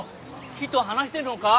木と話してるのか？